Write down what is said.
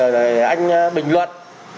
rồi anh bình luận